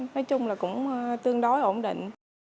nói chung là cũng tương đối ổn định